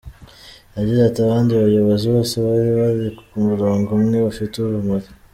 Yagize ati “Abandi bayobozi bose bari bari ku murongo umwe bafite urumuri.